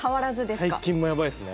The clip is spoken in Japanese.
最近もやばいですね。